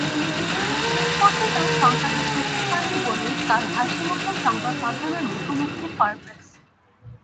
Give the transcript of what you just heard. শেষ পর্যন্ত শঙ্কাটা সত্যি হয়নি বলেই কাল হাসিমুখে সংবাদমাধ্যমের মুখোমুখি ফারব্রেস।